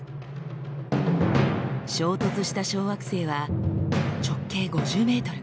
衝突した小惑星は直径５０ｍ。